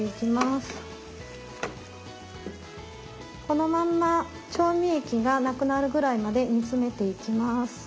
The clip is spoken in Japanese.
このまんま調味液がなくなるぐらいまで煮詰めていきます。